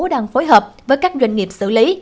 đang phối hợp với các doanh nghiệp xử lý